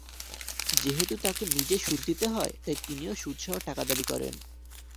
যেহেতু তাঁকে নিজে সুদ দিতে হয়, তাই তিনিও সুদসহ টাকা দাবি করেন।